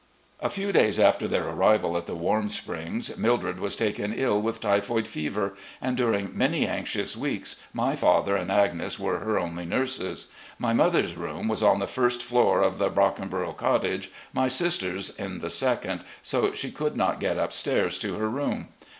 ..." A few days after their arrival at the Warm Springs, Mildred was taken ill with typhoid fever, and during many anxious weeks my father and Agnes were her only nurses. My mother's room was on the first floor of the *My mother's maid. MRS. R. E. LEE 321 " Brockenborough Cottage," my sister's in the second, so she could not get upstairs to her room.